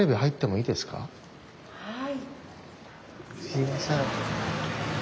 すいません。